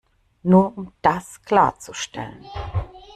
Nur um das klarzustellen.